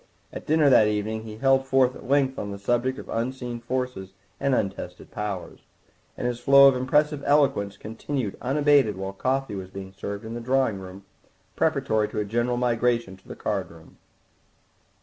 At dinner that evening he held forth at length on the subject of unseen forces and untested powers, and his flow of impressive eloquence continued unabated while coffee was being served in the drawing room preparatory to a general migration to the card room.